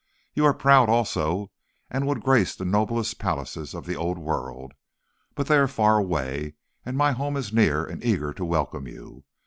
You are proud, also, and would grace the noblest palaces of the old world; but they are far away, and my home is near and eager to welcome you.